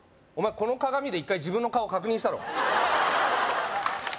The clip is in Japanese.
この鏡で一回自分の顔確認したろ